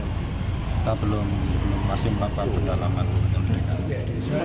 kita belum masih empat lima tahun lama